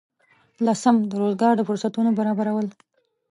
لسم: د روزګار د فرصتونو برابرول.